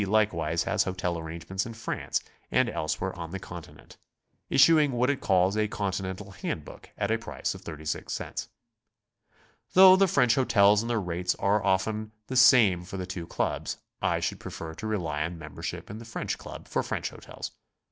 likewise has hotel arrangements in France and elsewhere on the Conti 94 GOING ABROAD? nent, issuing what it calls a Continental Hand bo'ok at a price of 36 cts. Though the French hotels and their rates are often the same for the two Clubs, I should prefer to rely on membership in the French Club for French hotels.